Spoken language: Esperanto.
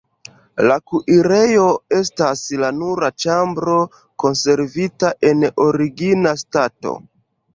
La kuirejo estas la nura ĉambro konservita en origina stato.